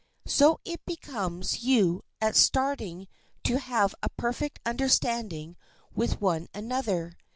So it becomes you at starting to have a perfect understanding with one another.